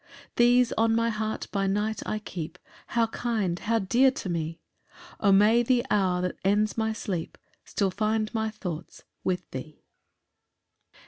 3 These on my heart by night I keep; How kind, how dear to me! O may the hour that ends my sleep Still find my thoughts with thee.